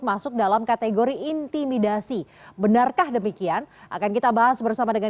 masuk dalam kategori intimidasi benarkah demikian akan kita bahas bersama dengan